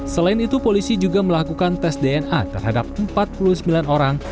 selain itu polisi juga melakukan tes dna terhadap empat puluh sembilan orang